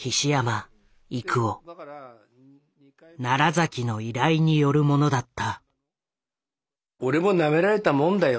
崎の依頼によるものだった。